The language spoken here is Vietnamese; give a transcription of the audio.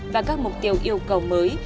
và các mục tiêu yêu cầu mới